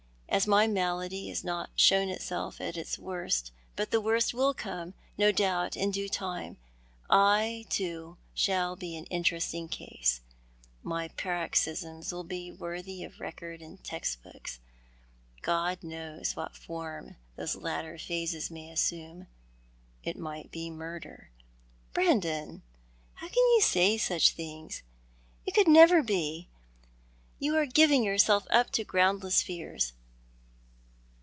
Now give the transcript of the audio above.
As yet my malady has not shown itself at its worst, but t!ic worst will come, no doubt, in due time. I, too, shall be an interesting case — my paroxysms will be worthy of record in the text books. God knows what form those latter i:)hases may assume. It might be murder." "Brandon! Oh, how can you say such things? It could never be ! You are giving yourself up to groundless fears.